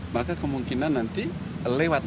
maka kemungkinan nanti lewat